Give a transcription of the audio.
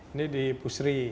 ini di pusri